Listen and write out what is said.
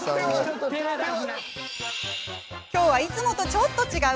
今日は、いつもとちょっと違う？